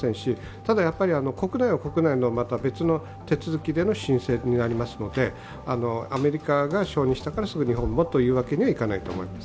ただやはり国内は国内の別の手続きでの申請になりますので、アメリカが承認したからすぐ日本もというわけにはいかないと思います。